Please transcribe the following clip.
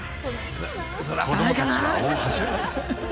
子どもたちは大はしゃぎ。